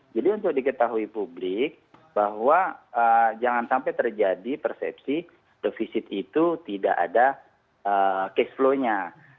jadi untuk diketahui publik bahwa jangan sampai terjadi persepsi defisit itu tidak ada cash flow nya